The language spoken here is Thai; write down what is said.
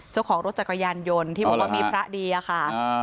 เจ้าของรถจักรยานยนต์ที่บอกว่ามีพระดีอะค่ะ